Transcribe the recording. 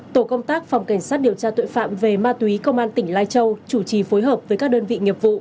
tổ công tác phòng cảnh sát điều tra tội phạm về ma túy công an tỉnh lai châu chủ trì phối hợp với các đơn vị nghiệp vụ